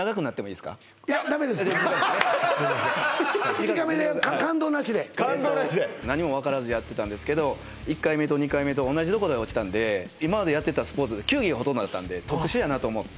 いや短めで感動なしで感動なしで何も分からずやってたんですけど１回目と２回目と同じとこで落ちたんで今までやってたスポーツ球技がほとんどだったんで特殊やなと思って